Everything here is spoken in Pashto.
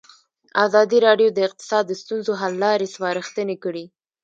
ازادي راډیو د اقتصاد د ستونزو حل لارې سپارښتنې کړي.